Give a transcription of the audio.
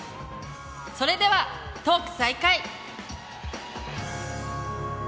それではトーク再開。